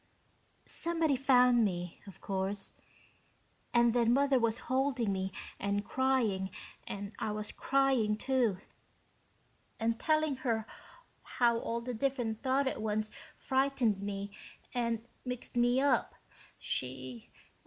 "Somebody found me, of course. And then Mother was holding me and crying and I was crying, too, and telling her how all the different thought at once frightened me and mixed me up. She